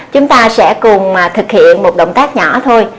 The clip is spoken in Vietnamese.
chúng ta sẽ cùng thực hiện một động tác nhỏ thôi